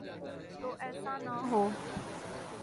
تو ایسا نہ ہو۔